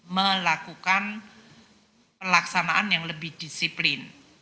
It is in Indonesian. melakukan pelaksanaan yang lebih disiplin